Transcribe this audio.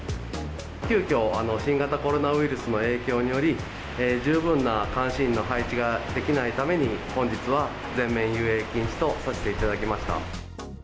急きょ、新型コロナウイルスの影響により、十分な監視員の配置ができないために、本日は全面遊泳禁止とさせていただきました。